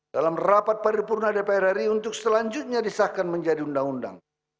dalam rapat paripurna dpr ri untuk selanjutnya disahkan menjadi undang undang